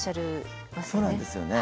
そうなんですよね。